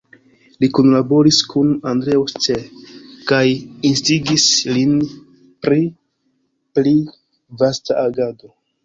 Li kunlaboris kun Andreo Cseh kaj instigis lin pri pli vasta agado.